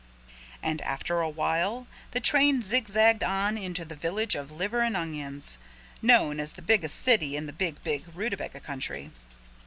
And after a while the train zigzagged on into the Village of Liver and Onions, known as the biggest city in the big, big Rootabaga country.